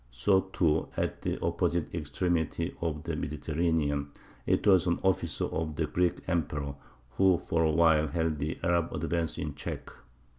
So, too, at the opposite extremity of the Mediterranean, it was an officer of the Greek Emperor who for a while held the Arab advance in check.